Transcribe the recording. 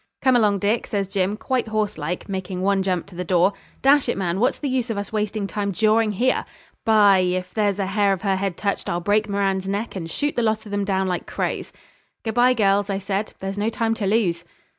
'Come along, Dick,' says Jim, quite hoarse like, making one jump to the door. 'Dash it, man, what's the use of us wasting time jawing here? By , if there's a hair of her head touched I'll break Moran's neck, and shoot the lot of them down like crows.' 'Good bye, girls,' I said, 'there's no time to lose.'